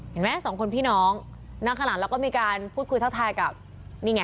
เห็นไหมสองคนพี่น้องนั่งขนาดแล้วก็มีการพูดคุยทักทายกับนี่ไง